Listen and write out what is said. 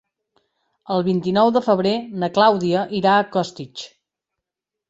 El vint-i-nou de febrer na Clàudia irà a Costitx.